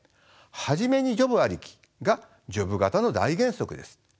初めにジョブありきがジョブ型の大原則です。